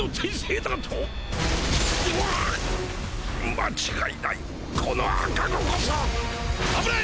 間違いないこの赤子こそ危ない！